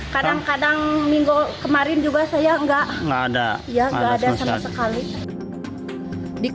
kadang kadang minggu kemarin juga saya enggak